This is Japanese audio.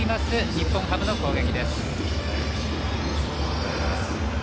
日本ハムの攻撃。